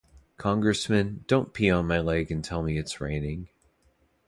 Congressman, don't pee on my leg and tell me it's raining.